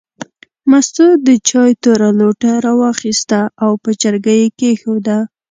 مستو د چای توره لوټه راواخیسته او په چرګۍ یې کېښوده.